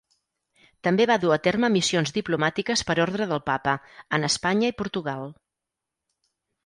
També va dur a terme missions diplomàtiques per ordre del papa, en Espanya i Portugal.